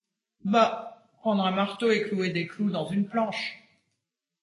Bah ! prendre un marteau et clouer des clous dans une planche !